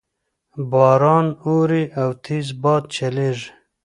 باران اوري او تیز باد چلیږي